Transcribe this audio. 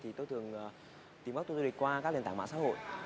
thì tôi thường tìm các tour du lịch qua các nền tảng mạng xã hội